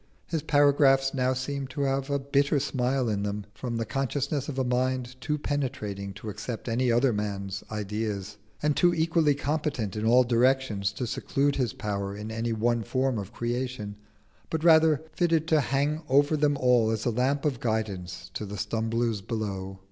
His paragraphs now seem to have a bitter smile in them, from the consciousness of a mind too penetrating to accept any other man's ideas, and too equally competent in all directions to seclude his power in any one form of creation, but rather fitted to hang over them all as a lamp of guidance to the stumblers below.